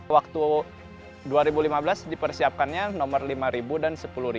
waktu dua ribu lima belas dipersiapkannya nomor lima ribu dan sepuluh